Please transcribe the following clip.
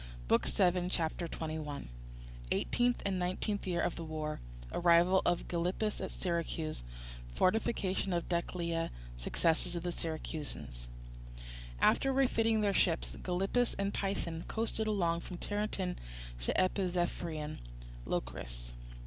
BOOK VII CHAPTER XXI Eighteenth and Nineteenth Years of the War—Arrival of Gylippus at Syracuse—Fortification of Decelea—Successes of the Syracusans After refitting their ships, Gylippus and Pythen coasted along from Tarentum to Epizephyrian Locris.